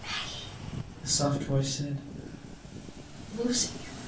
"Maggie!" the soft voice said. "Lucy!"